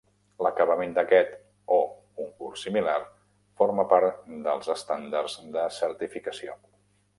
L'acabament d'aquest, o un curs similar, forma part dels estàndards de certificació.